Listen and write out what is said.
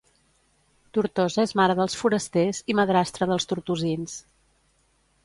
Tortosa és mare dels forasters i madrastra dels tortosins.